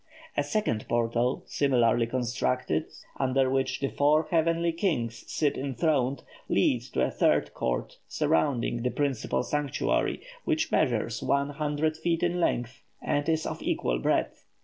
A second portal, similarly constructed, under which the "four heavenly kings" sit enthroned, leads to a third court, surrounding the principal sanctuary, which measures one hundred feet in length, and is of equal breadth.